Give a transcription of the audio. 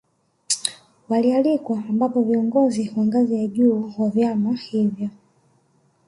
Walialikwa ambapo viongozi wa ngazi ya juu wa vyama hivyo